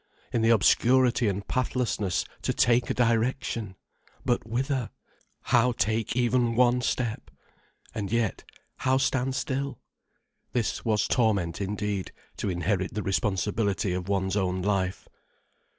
In the obscurity and pathlessness to take a direction! But whither? How take even one step? And yet, how stand still? This was torment indeed, to inherit the responsibility of one's own life.